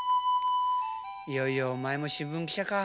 いよいよお前も新聞記者か。